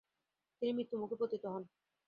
তিনি মৃত্যুমুখে পতিত হন।